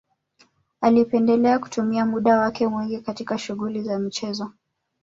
Alipendelea kutumia muda wake mwingi katika shughuli za michezo